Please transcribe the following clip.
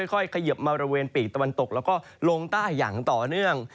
เขยิบมาบริเวณปีกตะวันตกแล้วก็ลงใต้อย่างต่อเนื่อง